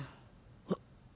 あっ。